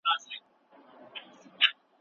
سرمايه ګزاري په هېواد کي کاري فرصتونه رامنځته کوي.